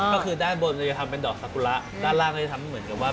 ก็คือด้านบนจะทำเป็นดอกสกุระด้านล่างก็จะทำให้เหมือนกับว่า